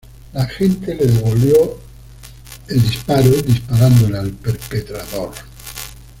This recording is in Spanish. La agente le devolvió el disparo, disparándole al perpetrador.